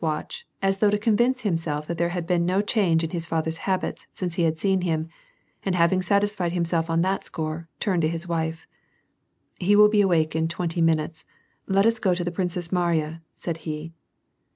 watch, as thongh to convince himself that there had been no change in his father^s habits since he had seen him, and hav ing satisfied himself on that score, turned to his wife. " He will be awake in twenty minutes. Let us go to the Princess Mariya," said he.